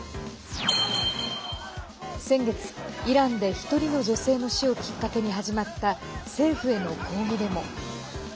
先月、イランで１人の女性の死をきっかけに始まった、政府への抗議デモ。